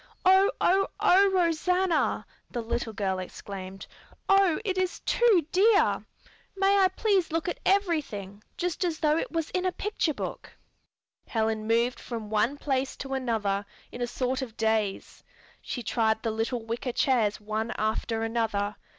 "Oh, oh, oh, Rosanna!" the little girl exclaimed. "Oh, it is too dear! May I please look at everything, just as though it was in a picture book?" Helen moved from one place to another in a sort of daze. She tried the little wicker chairs one after another.